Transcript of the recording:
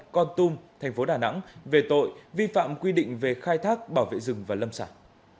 con tum thành phố đà nẵng về tội vi phạm quy định về khai thác bảo vệ rừng và lâm sản